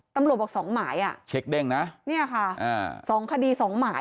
ตำรวจบอก๒หาดี๒หาดี